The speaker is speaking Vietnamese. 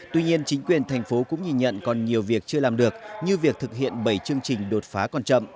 tuy nhiên chính quyền thành phố cũng nhìn nhận còn nhiều việc chưa làm được như việc thực hiện bảy chương trình đột phá còn chậm